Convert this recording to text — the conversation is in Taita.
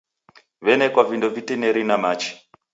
W'enekwa vindo vitineri na machi.